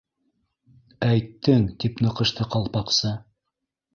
— Әйттең, —тип ныҡышты Ҡалпаҡсы.